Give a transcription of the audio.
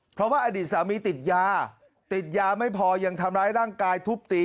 เพราะว่าอดีตสามีติดยาติดยาไม่พอยังทำร้ายร่างกายทุบตี